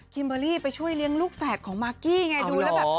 เบอร์รี่ไปช่วยเลี้ยงลูกแฝดของมากกี้ไงดูแล้วแบบ